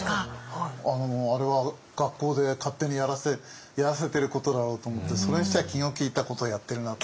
あれは学校で勝手にやらせてることだろうと思ってそれにしては気の利いたことをやってるなと。